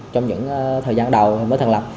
trong những thời gian đầu mới thành lập